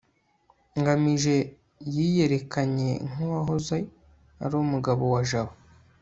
ngamije yiyerekanye nk'uwahoze ari umugabo wa jabo